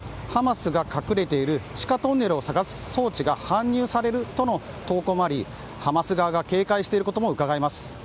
一方で、ＳＮＳでは支援物資と共にハマスが隠れている地下トンネルを探す装置が搬入されるとの投稿もありハマス側が警戒していることもうかがえます。